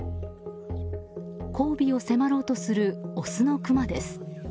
交尾を迫ろうとするオスのクマです。